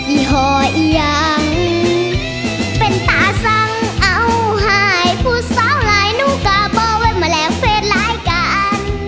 อีหออียังเป็นตาสังเอ้าหายผู้เศร้าหลายหนูกาบ่เวทมาแรงเพศร้ายกัน